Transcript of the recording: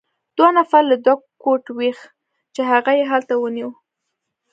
دوو نفر له ده کوټ وکیښ، چې هغه يې هلته ونیو.